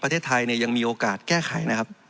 ประเทศไทยยังมีโอกาสแก้ไขนะครับ